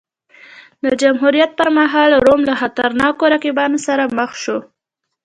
د جمهوریت پرمهال روم له خطرناکو رقیبانو سره مخ شو.